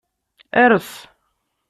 Ers.